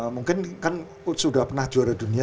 mungkin kan sudah pernah juara dunia